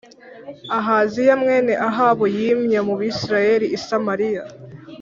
Ahaziya mwene Ahabu yimye mu Bisirayeli i Samariya